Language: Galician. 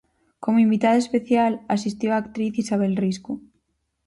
Como invitada especial asistiu a actriz Isabel Risco.